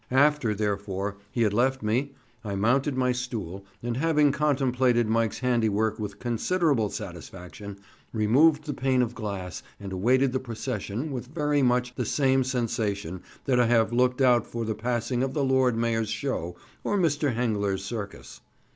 After, therefore, he had left me, I mounted my stool, and having contemplated Mike's handiwork with considerable satisfaction, removed the pane of glass and awaited the procession with very much the same sensation that I have looked out for the passing of the Lord Mayor's Show or Mr. Hengler's circus.